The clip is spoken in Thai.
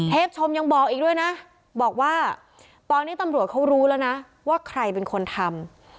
ชมยังบอกอีกด้วยนะบอกว่าตอนนี้ตำรวจเขารู้แล้วนะว่าใครเป็นคนทำ